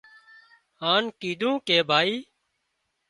هانَ ڪيڌون ڪي ڀائي